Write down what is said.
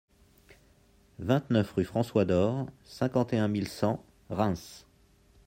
vingt-neuf rue François Dor, cinquante et un mille cent Reims